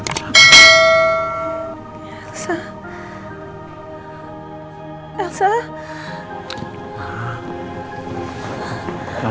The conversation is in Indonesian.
elsa jangan berangkat